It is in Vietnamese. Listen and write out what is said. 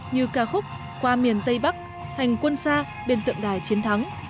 như ca khúc qua miền tây bắc hành quân xa bên tượng đài chiến thắng